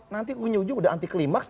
nanti ujung ujung udah anti klimaks